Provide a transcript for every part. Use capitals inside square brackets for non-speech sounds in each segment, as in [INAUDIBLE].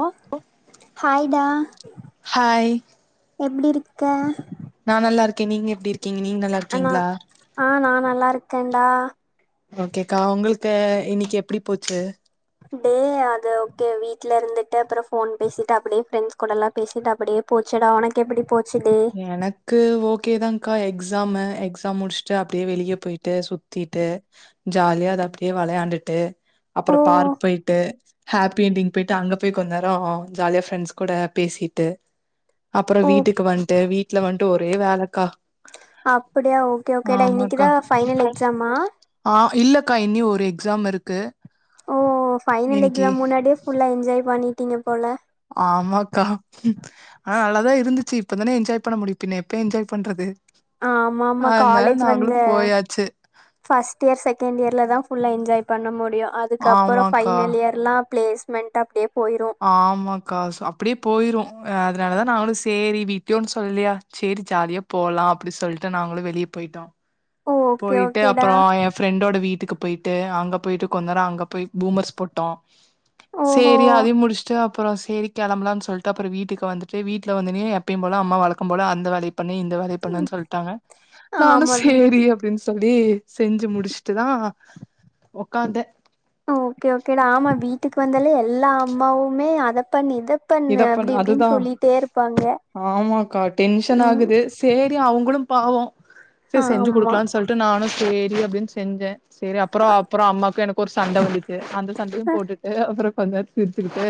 அ hi டா hi எப்டி இருக்க நா நல்லா இருக்க நீங்க எப்டி இருக்கீங்க நீங்க நல்லார் அ நா ஆ நல்லா இருக்கன்டா ஓகேக்கா ஒங்களுக்கு இன்னக்கி எப்படி போச்சு டே அது ஓகே வீட்ல இருந்துட்டு அப்புறோ ஃபோன் பேசிட்டு அப்படியே ஃப்ரண்டஸ் கூடல்லா பேசிட்டு அப்படியே போச்சடா ஒனக்கு எப்டி போச்சு டே எனக்கு ஓகேதாக்கா எக்ஸாமு எக்ஸாம் முடிச்சுட்டு அப்டியே வெளிய போயிட்டு சுத்திட்டு ஜாலியா அத அப்டியே வெளையாண்டுட்டு ஓ அப்பறோ பார்க் போயிட்டு ஹாப்பிண்டிங் போயிட்டு அங்க போய் கொஞ்ச நேரோ ஜாலியா ஃப்ரெண்ட்ஸ் கூட பேசிட்டு அப்பறோ வீட்டுக்கு வந்ட்டு வீட்ல வந்ட்டு ஒரே வேலக்கா அப்படியா ஓகே ஓகேடா ஆமாக்கா இன்னிக்குதா ஃபைனல் எக்ஸாமா ஆ இல்லக்கா இன்னியு ஒரு எக்ஸாம் இருக்கு ஓ ஃபைனல் இன்னிக்கி எக்ஸாம் முன்னாடியே ஃபுல்லா என்ஜாய் பண்ணிட்டீங்க போல ஆமாக்கா ஆ நல்லாதா இருந்துச்சு இப்பதான என்ஜாய் பண்ண முடியு பின்ன எப்ப என்ஜாய் பண்றது ஆமா ஆமா அதனால காலேஜ் வந்து நாங்களும் போயாச்சு ஃபஸ்ட்டு இயர் செகண்ட் இயர்ல தா ஃபுல்லா என்ஜாய் பண்ண முடியு அதுக்கப்பறோ ஆமாக்கா ஃபைனல் இயர்லா பிளஸ்மெண்ட் அப்டியே போயிரு ஆமாக்கா அப்டியே போயிரு அ அதனால தா நாங்களு சேரி வீட்லயு சொல்லி சேரி ஜாலியா போலா அப்டின் சொல்ட்டு நாங்களு வெளிய போயிட்டோ ஓகே போயிட்டு ஓகேடா அப்பறோ ஏ ஃப்ரெண்டோட வீட்டுக்கு போயிட்டு அங்க போயிட்டு கொஞ்ச நேரோ அங்க போய் பூமர்ஸ் போட்டோ ஓஹோ சேரி அதயு முடிச்சுட்டு அப்பறோ சேரி கெளம்பலான் சொல்ட்டு அப்பறோ வீட்டுக்கு வந்துட்டு வீட்ல வந்தோனே எப்பயு போல அம்மா வழக்க போல அந்த வேலை பன்னு இந்த வேலைய ம் பன்னுன் சொல்ட்டாங்க நானு ஆமா சேரி வீட்டு அப்படின் சொல்லி செஞ்சு முடிச்சுட்டு தா ஒக்காந்த ஓகே ஓகேடா ஆமா வீட்டுக்கு வந்தால எல்லா அம்மாவுமே அத பண்ணு இத பண்ணு இதப்பண் அப்டி இப்டின்னு அதுதா சொல்லிட்டே இருப்பாங்க ஆமாக்கா ம் டென்ஷனாகுது சேரி அவுங்களு பாவோ சே செஞ்சு ஆமா குடுக்கலான் சொல்ட்டு நானு சேரி அப்டின்னு செஞ்ச சேரி அப்பறோ அப்பறோ அம்மாக்கு எனக்கு ஒரு சண்ட வந்துச்சு அந்த சண்டையு போட்டுட்டு அப்புறோ கொஞ் சிரச்சுக்கிட்டு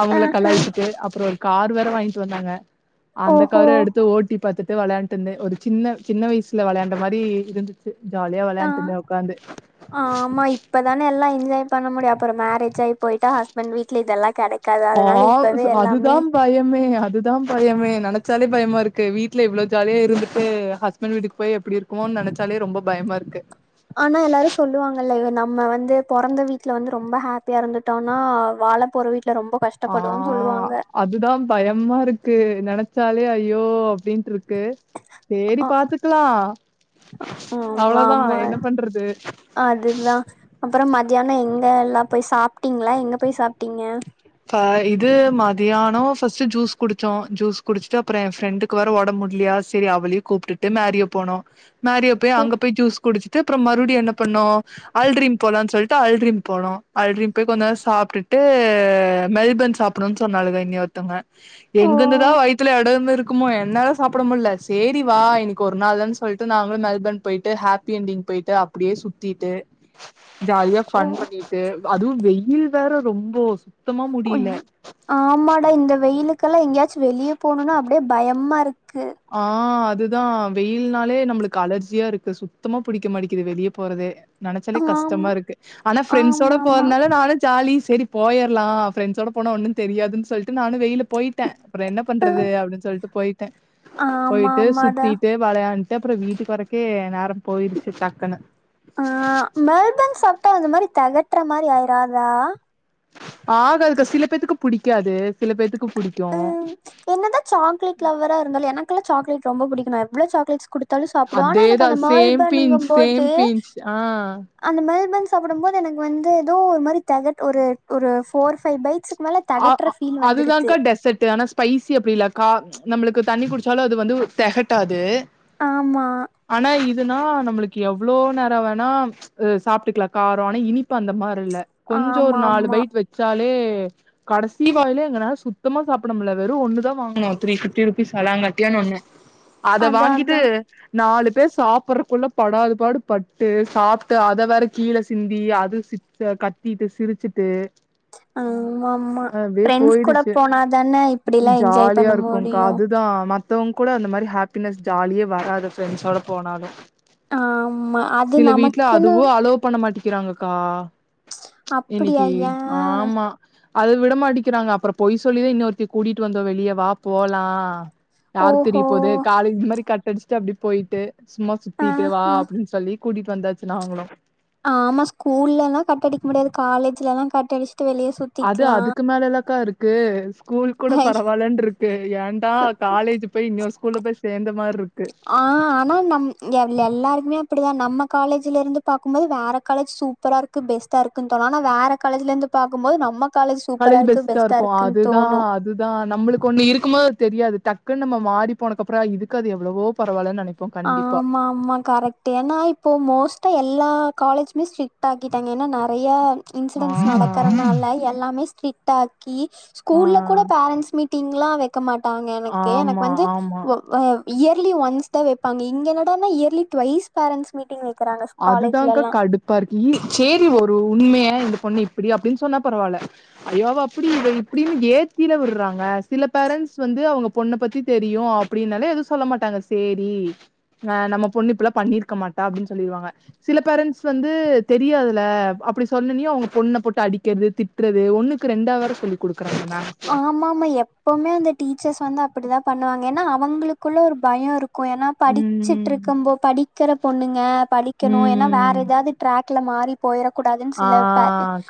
அவங்கள ஆஹ கலாயிச்சுட்டு அப்புறோ ஒரு கார் வேற வாங்கிட்டு வந்தாங்க அந்த ஓஹோ கார எடுத்து ஓட்டி பாத்துட்டு வளையாண்டுருந்தே ஒரு சின்ன சின்ன வயசுல விளையாண்ட மாரி இருந்துது ச்சு ஜாலியா ஆ வெலாண்ட்டு இருந்த ஒக்காந்து இப்பதான எல்லா என்ஜாய் பண்ண முடியு அப்புறோ மேரேஜ் ஆயி போயிட்டா ஹஸ்பண்ட் வீட்ல இதெல்லா கடை ஆ அதுதா பயம் மே அதுதா பயமே நனைச்சாலே பயமாருக்கு வீட்ல இவ்ளோ ஜாலியா இருந்துட்டு ஹஸ் பண்டு வீட்டுக்கு போய் எப்டி இருக்குமோனு நனைச்சாலே ரொம்ப பயமா இருக்கு ஆனா எல்லாரு சொல்லுவாங்கல்ல நம்ம வந்து பொறந்த வீட்ல வந்து ரொம்ப ஹப்பியா இருந்துட்டோனா வாழ போற வீட் ல ரொம்ப ஆ கஷ்டப்படுவோனு சொல்லுவாங்க அதுதா பயமாருக்கு நனைச்சாலே ஐயோ அப்டின்ட்ருக் க்கு சேரி ஆ பாத்துக்லா ஆமா அவ்ளோதா ஆமா என்ன பண்றது அதுதா அப்பறோ மதியானோ எங்க எல்லா போய் சாப்ட்டீங்ளா எங்க போய் சாப்ட்டீங்க ப இது மதியானோ ஃபஸ்ட் ஜூஸ் குடிச்சோம் ஜூஸ் குடிச்ட்டு அப்புறோ எ ஃப்ரெண்டு கு வேற ஒடம் முட்லியா சேரி அவளியு கூப்டுட்டு மேரியோ போனோ மேரியோ போய் அங்க போய் ஜூஸ் குடிச் ட்டு அப்றோ மறுப்டியு என்ன பண்ணோ அல்ரிம் போலானு சொல்ட்டு அல்ரிம் போனோ அல்ரிம் போய் கொஞ்சோ சாப்ட்டுட்டு மெல்பன் சாப்டுவோ சொன்னாளுக இனி ஒருத்தவங்க எங்கிருந்துதா வயித்துல எடோமிருக்குமோ என்னால சாப்ட முட்ல செரி வா இன்னைக்கு ஒரு நாள் தான் சொல்ட்டு நாங்களு மெல்பன் போயிட்டு ஹாப்பி எண்டிங் போயிட்டு அப்டியே சுத்திட்டு ஜாலியா ஃபன் பண்ணிட்டு அதுவு வெயில் வேற ரொம்போ சுத்தமா கொஞ் முடியில ஆமாடா இந்த வெயிலுகெல்லா எங்கேயாச்சு வெளிய போணுன்னா அப்டியே பயமாருக்கு ஆ அதுதா வெயில்னாலே நம்புளுக்கு அலர்ஜியாருக்கு சுத்தமா புடிக்க மாடிக்குது வெளிய போறதே நனச்சாலே ஆம் கஷ்டமாருக்கு ஆனா ஃப்ரெண்ட்ஸோட ஆமா ஆமா போறனால நானு ஜாலி செரி போயர்லா ஃப்ரெண்ட்ஸோட போனா ஒன்னு தெரியாதுன்னு சொல்லிட்டு நானு வெயில போயிட்டே அப்புறோ என்ன பண்றது அஹ் அப்டின்னு சொல்ட்டு போய்ட்டே ஆமா போய்ட்டு ஆமாடா சுத்திட்டு வளையாண்டு அப்புறோ வீட்டுக்கு வறக்கே நேரோ போயிருச்சு டக்குன்னு ஆ மெல்பன் சாப்டா அந்த மாரி தெகட்ற மாரி ஆயிராதா ஆகாதுக்கா சில பேத்துக்கு புடிக்காது சில பேத்க்கு புடிக்கோ ம் என்னதா சாக்லேட் லவரா இருதாலு எனக் கெல்லா சாக்லேட் ரொம்ப புடிக்கு நா எவ்ளோ சாக்லேட் கொடு த்தாலு சாப்டுவ ஆனா எனக்கு அதேதா அந்த சேம் மெல்பன் பிஞ்ச் ணுங்கம் சேம் போது பிஞ்ச் ஆ அந்த மெல்பன் சாப்படம் போது எனக்கு வந்து ஏதோ ஒரு மாரி தெகட் ஒரு ஒரு ஃபோர் ஃபைவ் பைட்ஸ் ஆமா அதுதா கா டெசர்ட்டு அனா ஸ்பைசி அப்டில்லக்கா நம்ளுக்கு தண்ணி குடிச்சாலு அது வந்து தெகட்டாது ஆமா ஆனா இதுனா நம்மளுக்கு எவ்ளோ நேரோ வேணா சாப்ட்டுக்குலா காரோ ஆனா இனி ப்பு அந்த மார் இல்ல கொஞ்சோ ஒரு நாலு ஆமாமா. பைட் வச்சாலே கடைசி வாயில எங்கனா சுத்தமா சாப்பிட முல்ல வெறு ஒன்னு தா வாங்கொணோ த்ரீ பிஃப்ட்டி ருபீஸ் சலாங்கட்டியான்னு ஒண்ணு [INAUDIBLE] அத வாங்கிட்டு அதான். நாலு பேர் சாப்பறக்குள்ள படாதபாடு பட்டு சாப்ட்டு அத வேற கீழ சிந்தி அது கத்திட்டு சிரிச்சிட்டு ஆமாமா அப்டியே ஃப்ரெண்ட்ஸ் கூட போயிடுச்சு போனா தானே இப்படிலாம் என்ஜாய் ஜாலியா பண்ண இருக்கு கா முடியும். அ தா மத்தவங் கூட அந்த மாரி ஹாப்பினஸ் ஜாலியே வராது ப்ரெண்ஸ் ஒட போனாலு ஆமா. அது சில வீட்ல நமக்குன்னு அதுவு அலோ பண்ண மாட் டிக்கிறாங்கக்கா அப்படியா? இன்னக்கி ஏன்? ஆமா அது விடமாட்டிக்கிறாங்க அப்ரோ பொய் சொல்லிதா இன்னொருத்தி கூட்டிட்டு வந்தோ வெளியே வா போலா யாருக் தெரிய ஓஹோ! போது காலேஜ் மாரி கட்டடிச்சுட்டு அப்டி போயிட்டு சும்மா சுத்திட்டு வா ஆஹ. அப்டின்னு சொல்லி கூட்டிட்டு வந்தாச்சு நாங்களு ஆமா ஸ்கூல்லலா கட்டடிக்க முடியாது காலேஜ்லல்லா கட்டடிச்சுட்டு வெளிய சுத் அது அதுக்கு மேலலக்கா இருக்கு ஸ்கூல் கூட ஐ பரவாலன்ரு க்கு ஏன்டா காலேஜ் போய் இன்னோரு ஸ்கூல்ல போய் சேர்ந்த மார்க்கு ஆ ஆனா நம் எ எல்லாருக்குமே அப்டிதா நம்ம காலேஜ்ல இருந்து பாக்கும்போது வேற காலேஜ் சூப் ப்பரா இருக்கு பெஸ்ட இருக்குன் தோனு ஆனா வேற காலேஜ்ல இருந்து பாக்குபோது நம்மக் காலேஜ் பெஸ்ட்டா இருக்கு அதுதா அதுதா நம்ளுக் கொன்னு இருக்கும் போது தெரியாது டக்குன்னு நம்ம மாறி போனக்ப்பரோ இதுக்கு அது எவ்ளோவோ பரவால்ன்னு நெனைக் ஆமா ஆமா கரெக்ட் ட்டு ஏனா இப்போ மோஸ்ட்டா எல்லா காலேஜ்மே ஸ்ட்ரிக்ட் ஆக்கிட்டாங்க ஏன்னா நெறையா ஆ இன்சிடென்ட்ஸ் நடக்கறனால எல்லாமே ஸ்ட்ரிக்ட் ஆக்கி ஸ்கூல்ல கூட ஆ பேரண்ட்ஸ் மீட் டிங்க்லா வெக்க மாட்டாங்க எனக்கு எனக் ஆமா வந்து ஆமா இயர்லி ஒன்ஸ் டா வெப்பாங்க இங்க என்னடனா இயர்லி டு்வைஸ் பேரன்ஸ் மீட்டிங் வெக்கிறாங்க காலேஜ்ல எல்லா பார்க்கி சேரி ஒரு உண்மையா இந்த பொண்ணு இப்டி அப்டின்னு சொன்னா பரவால்ல ஐயோ அவ அப்டி இவ இப்டின்னு ஏத்தில விடுறாங்க சில பேரண்ட்ஸ் வந்து அவங்க பொண்ண பத்தி தெரியு அ அப்டின்னால எதுவு சொல்ல மாட்டாங்க சேரி ஆ நம்ம பொண்ணு இப்புல்லா பண்ணிருக்க மாட்டா அப்டின்னு சொல்லிருவாங்க சில பேரண்ட்ஸ் வந்து தெரியாதுல அப்டி சொன்னனியே அவங்க பொண்ண போட்டு அடிக்கிறது திட் றது ஒண்ணுக்கு ரெண்டா வேற சொல்லி குடுக்குறாங்கன்னா ஆமா ஆமா எப்வுமே அந்த டீச்சர்ஸ் வந்து அப்டிதா பண்ணுவாங்க ஏனா அவங்களுக்குள்ள ஒரு பயோ இருக் இருக்கு ஏனா படிச்சிட்டு இருக்கு ம் போ படிக்கிற பொண்ணுங்க படிக்கணு ஏனா வேற ம் ஏதாவது ட்ராக்ல மாறி போயிரொ கூடாதுன்னு ஆ சில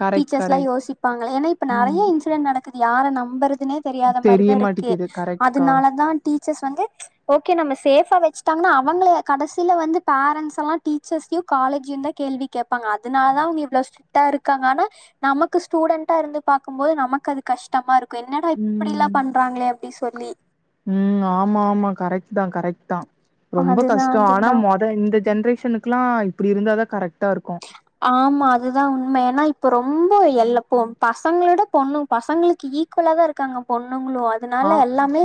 கரெக்ட் டீச்சர்ஸ் ல்லா கரெக்ட் யோசிப்பாங்களே ஏன்னா இப்ப ம் நெறைய இன்சிடெட் நடக் யார நம்பறதுனே தெரியாத தெரிய மாரிதாருக்கு மாட்டிக்குது கரெக்ட்க்கா அதனாலதா டீச்சர்ஸ் வந்து ஓகே நம்ம சேஃபா வெச்சுட்டாங்கன்னா அவங்கள கடசில வந்து பேரண்ட்ஸ் எல்லா டீச்சர்ஸயையு காலேஜயு தா கேள்வி கேட்பாங்க அதனால தா அவங்க இவ்ளோ ஸ் ட்டா இருக்காங்க ஆனா நமக்கு ஸ்டூடெண்டா இருந்து பாக்கும் போது நமக்கு அது கஷ்டமா இருக்கு க்கு என்னடா இப்டி ல்லா ம் பண்றாங்களே அப்டி சொல்லி ம் ஆமா ஆமா கரெக்ட் தா கரெக்ட் தா ரொம்ப அதுதா கஷ்டோ ஆனா அதுதா மொ இந்த ஜென்ரேஷனுக்குல்லா இப்டி இருந்தா தா கரெக்ட்டா இருக்கு ஆமா அதுதா உண்ம ஏன்னா இப்ப ரொம்ப எல்லப்ப பசங்களோட பொண்ணு பசங்களுக்கு ஈ க்குவல்ளாதா இருக்காங்க பொண்ணுங்ளு ஆ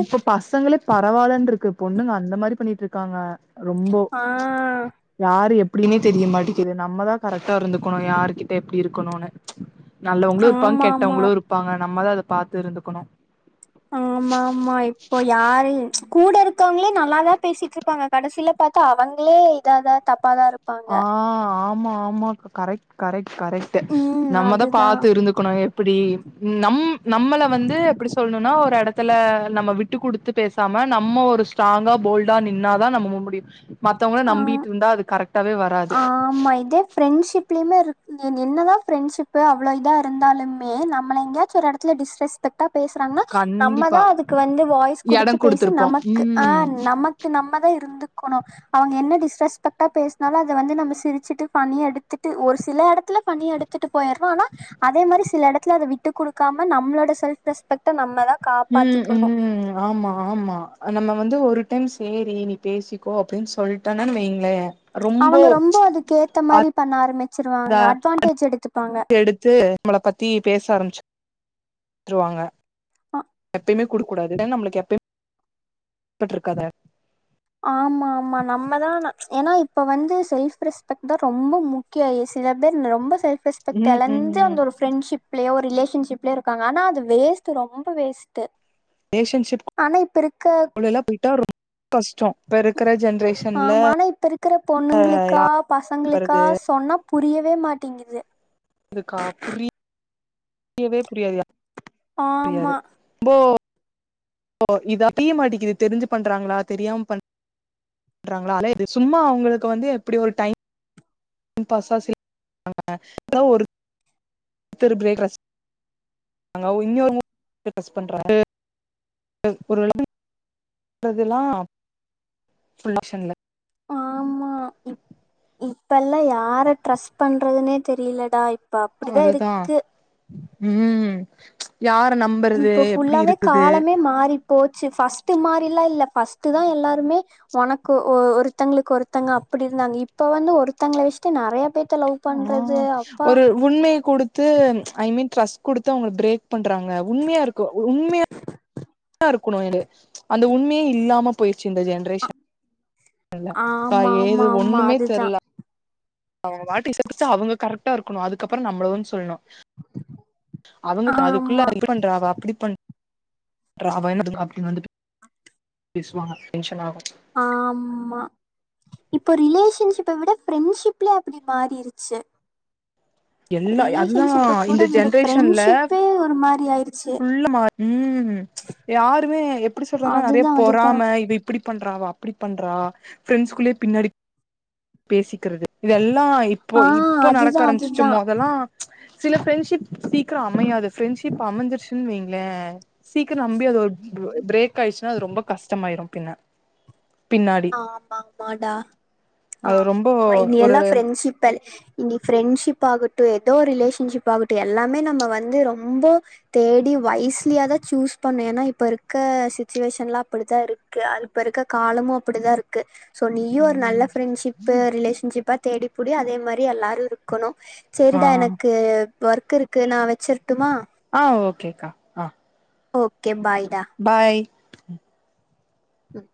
இப்ப பசங்களே பரவால்லன்னருக்கு பொண்ணுங்க அந்த மாரி பண்ணிட்டு இர்க்காங்க ரெம்போ ஆ யாரு எப்டின்னே தெரிய மாட்டேக்குது நம்ம தா கரெக்டா இருந்துக்கணு யாரு கிட்ட எப்டி இருக்கணுன்னு நல்லவங்களு இருப்பாங் ஆமா ஆமா கெட்டவங்களு இருப்பாங்க நம்மதா அத பாத்து இருந்துக்கணு ஆமா ஆமா இப்போ யாரை கூட இரு க்கவங்களே நல்லாதா பேசிட்டு இர்ப்பாங்க கடைசியில பாத்தா அவங்களே இதாதா தப்பாதா இருக் ஆ ஆமா ஆமா கரெக்ட் கரெக்ட் கரெக்ட் ம் நம்மதா அதுதா பாத்து இருந்துக்கணு எப்டி நம் நம்மள வந்து எப்டி சொல்லணுன்னா ஒரு எட த்துல நம்ம விட்டு குடுத்து பேசாம நம்மோ ஒரு ஸ்ட்ராங்கா போல்டா நின்னாதா நம்ம முடியு மத்தவங்கள ஆ நம்பிட்டு இருந்தா அது கரெக்ட்டாவே வர ஆமா இதே ஃப்ரெண்ட்ஷிப் லயுமே இருக்குது என்ன தா ஃப்ரெண்ட்ஷிப்பு அவ்ளோ இதா இருந்தாலுமே நம்மள எங்கயாச்சு ஒரு எடத்துல டிஸ்ரெஸ் பெக்ட்டா பேசுறாங்ன்னா நம்ம தா கண்டிப்பா அதுக்கு வந்து வாய்ஸ் எட குடுத்து பேசி குடுத்துருப்போ நமக்கு அ ம் நம க்கு நம்ம தா இருந்துக்குணோ அவங்க என்ன டிஸ்ரெஸ்பெக்டா பேச அதனால அத வந்து நம்ம சிரிச்சிட்டு ஃபண்ணி எடுத்துட்டு ஒரு சில எடத்துல ஃபண்ணிய எடுத்துட்டு போயிறோ ஆனா அதே மாரி சில எடத்துல அத விட்டுக் குடுக்காம நம்மளோட செல்ஃப் ரெஸ்பெக்ட்ட நம்ம தா ம் காப்பாத்திக்கனோ ம் ஆமா ஆமா நம்ம வந்து ஒரு டைம் சேரி நீ பேசிக்கோ அப்டின்னு சொல்ட்டனன் வைங்ளே அவங்க ரொம்ப அதுக்கு ஏத்த மாரி பண்ண ஆரம்பிச்சிருவாங்க அட்வான்டேஜ் எடுத்துப்பாங்க எடுத்து நம்மள பத்தி பேச ஆரம்பிச்சிருவாங்க ஆ எப்பயுமே குடுக் கூடாது ஏனா நம்மளுக்கு எப்பமே பட்ருக்காது ஆமா ஆமா நம்மதா ஏன்னா இப்ப வந்து செல்ஃப் ரெஸ்பெக்ட் தா ரொம்ப முக் கிய சில பேர் ரொம்ப செல்ஃப் ரெஸ்பெக்ட் ம் ம் எழந்து ம் அந்த ஒரு ஃப்ரெண்ட்ஷிப்லயோ ரிலேஷன்ஷிப்லயோ இருக்காங்க ஆனா அது வேஸ்ட்டு ரொம்ப வேஸ்ட்டு ஆனா இப்ப இருக்க அப்டிலா போயிட்டா ரொ ஆமா ஆனா இப்ப இருக்கிற பொண்ணுங்ளுக்கா பசங்களுக்கா வருது சொன்னா புரியவே மாட்டேங்கிது இதுக்கா புரி யவே புரியாது யா புரியாது ஆமா ரொம்போ இது அறிய மாட்டிங்கிது தெரிஞ்சு பண்றாங்ளா தெரியாம பண் றாங்ளா இது சும்மா அவங்களுக்கு வந்து இப்பிடி ஒரு டைம் பாஸா செய்றாங்க யாரா ஒருத்தர் ப்ரேக் [INAUDIBLE] [INAUDIBLE] ஆமா இப் இப்பெல்லா யார ட்ரஸ்ட் பண்றதுனே தெரிலடா அதுதா ம் யார நம் இப்போ ஃபுல்லாவே காலமே மாறி போச்சு ஃபஸ்ட்டு மாரிலா இல்ல ஃபஸ்ட்டு தா எல்லாருமே ஒனக்கு ஒ ஒருத்தங்களுக்கு ஒருத்தங்க அப்டி இருந்தாங்க இப்ப வந்து ஒருத்தங்ள வெச்ட்டு நெறைய பேர் அ ஒரு உண்மய குடு த்து ஐ மீன் டிரஸ்ட் குடுத்து அவுங்ள பிரேக் பண்றாங்க உண்மையா இருக்கோ உண்மையா இருக்கனு இது அந்த உண்மையே இல்லாம போயிருச்சு இந்த ஜென்ரேஷன் ல பா ஆமா ஏது ஆமா ஆமா ஒண்ணுமே அதுதா தெர்ல அவங்க பாட்டு சேப்பிச்ட்டு அவங்க கரெக்டா இருக்கனு அதுக்கப்றோ நம்மள வந்து சொல்னு அவங்க ஆமா அதுக்குள்ள இப்டி பண்றா அவ அப்டி பண் றா அவ என்ன அப்டின் வந்துட்டு பேசுவாங்க டென்ஷன் ஆகு ஆமா இப்ப ரிலேஷன்ஷிப்ப விட ஃப்ரெண்ட்ஷிப்லே அப்டி மாறிருச்சு எல்லா அதுதா ரிலேஷன்ஷிப்ப கூட இந்த விடு ஜென்ரேஷன்ல ஃப்ரெண்ட்ஷிப்பே ஒரு மாரி ஆயிருச்சு ஃபுல்லா மா ம் யாருமே எப்டி சொல்றதுன்னா நெறைய அதுதா அதுதா பொறாம இவ இப்டி பண்றா அவ அப்டி பண்றா ஃப்ரெண்ட்ஸ் குள்ளயே பின்னாடி பேசிக்கறது இதெல்லா இப்போ ஆ இப்போ அதுதா நடக்க ஆரம்பிச்சிச்சு அதுதா மொதலா சில ஃப்ரெண்ட்ஷிப் சீக்ரோ அமையாது ஃப்ரெண்ட்ஷிப் அமஞ்சிருச்சுன்னு வெய்ங்ளே சீக்ரோ நம்பி அது ஒரு பிரேக் ஆயிடுச்சுன்னா அது ரொம்ப கஷ்டமாயிடு பின்ன பின்னா ஆமாமாடா அ அது ரொம்போ ஆமாமா இனி ஒரு எல்லா ஃப்ரெண்ட்ஷிப்பல் இங்க ஃப்ரெண்ட்ஷிப் ஆகட்டு ஏதோ ரிலேஷன்ஷிப் ஆகட்டு எல்லாமே நம்ம வந்து ரொம்போ தேடி வைஸ்லியாதா சூஸ் பண்ணு ஏன்னா இப்ப இருக்க சிச்சுவேஷன்லா அப்பிடித்தா இரு க்கு அது இப்ப இருக்க காலமு அப்பிடிதா இருக்கு சோ நீயு ஒரு ம் நல்ல ஃப்ரெண்ட்ஷிப்பு ரிலேஷன்ஷிப்பா தேடிப்புடி அதே மாரி எல்லாரு இருக்கணு ஆ செரிடா எனக்கு ஒர்க் இருக்கு நா வெச்சர்ட்டுமா ஆ ஓகே கா ஓகே பாய்டா பாய் ம்